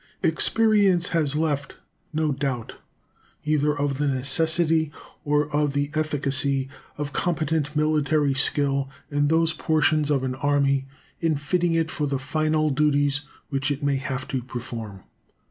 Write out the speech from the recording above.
Experience has left no doubt either of the necessity or of the efficacy of competent military skill in those portions of an army in fitting it for the final duties which it may have to perform.